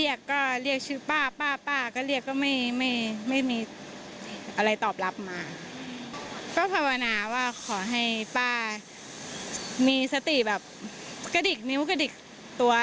ยังค่ะ